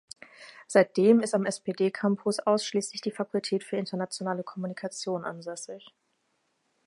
Seitdem ist am Spdcampus ausschließlich die Fakultät für Internationale Kommunikation ansässig.